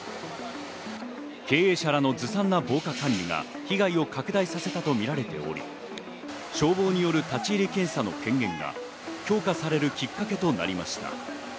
経営者らのずさんな防火管理が被害を拡大させたとみられており、消防による立ち入り検査の権限が強化されるきっかけとなりました。